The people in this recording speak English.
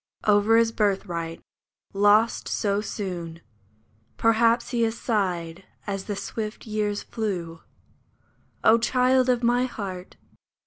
Over his birthright, lost so soon, Perhaps he has sighed as the swift years flew ; O child of my heart